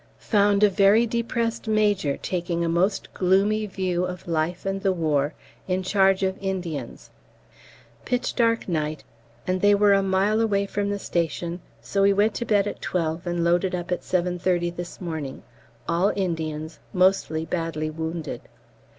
Found a very depressed major taking a most gloomy view of life and the war, in charge of Indians. Pitch dark night, and they were a mile away from the station, so we went to bed at 12 and loaded up at 7.30 this morning, all Indians, mostly badly wounded.